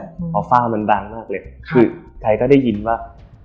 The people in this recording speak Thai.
เพราะฝ้ามันดังมากเลยคือใครก็ได้ยินว่า